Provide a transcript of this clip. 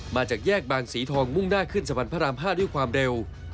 มาจากแยกบางสีทองมุ่งหน้าขึ้นสะพานพระราม๕ด้วยความเร็ว